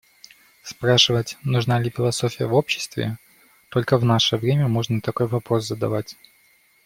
Спрашивать «нужна ли философия в обществе» - только в наше время можно такой вопрос задавать.